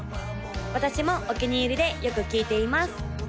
私もお気に入りでよく聴いています